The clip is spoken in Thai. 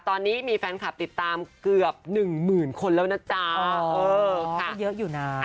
ตอนนี้มีแฟนคลับติดตามเกือบหนึ่งหมื่นคนแล้วนะจ๊ะเออก็เยอะอยู่นะ